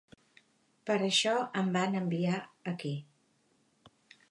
Per això em van enviar aquí.